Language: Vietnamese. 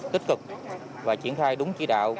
tích cực và triển khai đúng chỉ đạo